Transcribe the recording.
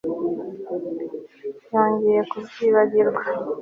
Yongeye kubyibagirwa